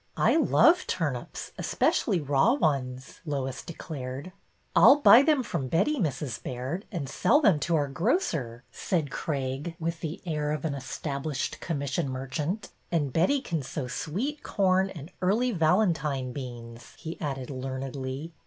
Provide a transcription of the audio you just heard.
" I love turnips, especially raw ones," Lois declared. " I 'll buy them from Betty, Mrs. Baird, and sell them to our grocer," said Craig, with the air of an established commission merchant. " And Betty can sow sweet corn and Early Valentine beans," he added learnedly.